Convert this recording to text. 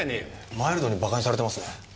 マイルドにバカにされてますね。